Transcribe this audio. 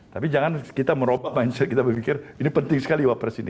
tapi jangan kita merobah mindset kita berpikir ini penting sekali wapres ini